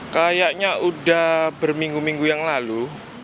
kayaknya udah berminggu minggu yang lalu